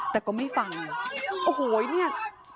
แต่ก็ไม่ฟังโอ้โหเนี่ย